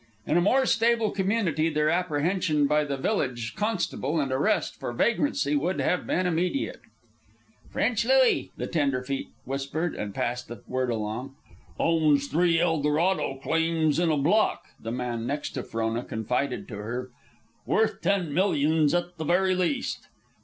In a more stable community their apprehension by the village constable and arrest for vagrancy would have been immediate. "French Louis," the tenderfeet whispered and passed the word along. "Owns three Eldorado claims in a block," the man next to Frona confided to her. "Worth ten millions at the very least."